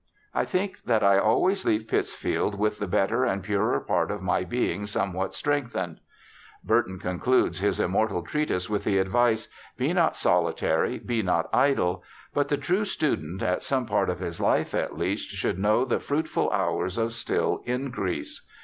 I think that I always leave Pittsfield with the better and purer part of my being somewhat strengthened.' Burton con cludes his immortal treatise with the advice :' Be not solitary, be not idle', but the true student, in some part of his life at least, should know the ' fruitful hours of still increase